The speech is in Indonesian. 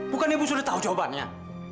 bukan ibu sudah tahu jawabannya